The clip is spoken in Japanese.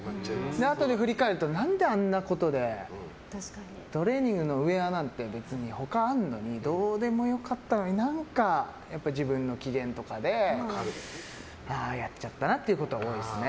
あとで振り返ると何であんなことでトレーニングのウェアなんて別に他にあるのにどうでもよかったのに何か、自分の機嫌とかでああ、やっちゃったなってことは多いですね。